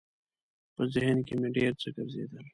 په ذهن کې مې ډېر څه ګرځېدل.